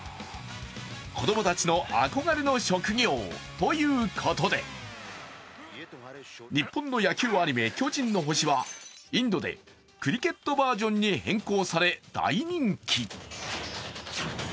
子供たちの憧れの職業ということで日本の野球アニメ「巨人の星」はインドでクリケットバージョンに変更され大人気。